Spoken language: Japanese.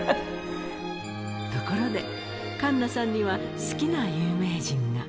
ところで、栞奈さんには好きな有名人が。